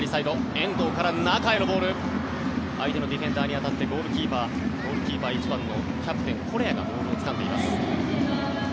相手のディフェンダーに当たってゴールキーパー、１番のコレアがボールをつかんでいます。